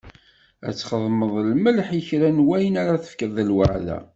Ad txedmeḍ lmelḥ i kra n wayen ara tefkeḍ d lweɛda.